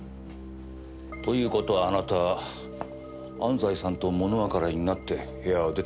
という事はあなた安西さんと物別れになって部屋を出たんですね？